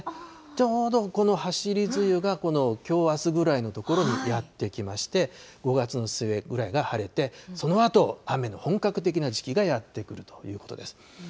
ちょうどこのはしり梅雨が、このきょうあすぐらいのところにやって来まして、５月の末ぐらいが晴れて、そのあと雨の本格的な時期がやって来るということです。